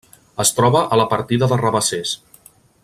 Es troba a la partida de Rabassers.